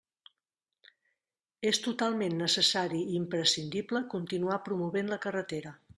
És totalment necessari i imprescindible continuar promovent la carretera.